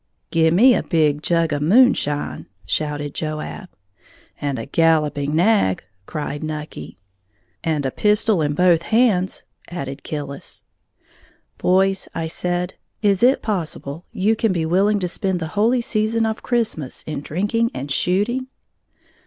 "Gimme a big jug of moonshine!" shouted Joab. "And a galloping nag!" cried Nucky. "And a pistol in both hands!" added Killis. "Boys," I said, "is it possible you can be willing to spend the holy season of Christmas in drinking and shooting?"